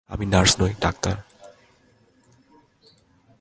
আমি নার্স নই, ডাক্তার।